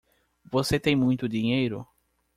Você tem muito dinheiro?